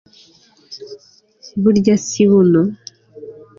burya si buno